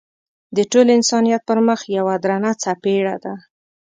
د ټول انسانیت پر مخ یوه درنه څپېړه ده.